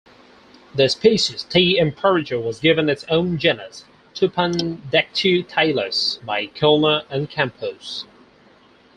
The species "T. imperator" was given its own genus, "Tupandactylus", by Kellner and Campos.